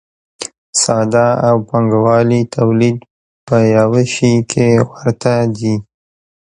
ساده او پانګوالي تولید په یوه شي کې ورته دي.